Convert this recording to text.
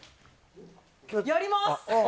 やります！